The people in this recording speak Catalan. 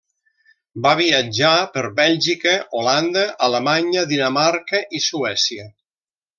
Va viatjar per Bèlgica, Holanda, Alemanya, Dinamarca i Suècia.